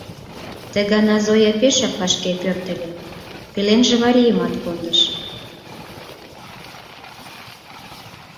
Ты гана Зоя пешак вашке пӧртыльӧ, пеленже Варийымат кондыш.